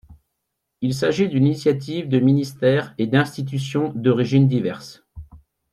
Il s'agit d'une initiative de ministères et d'institutions d'origines diverses.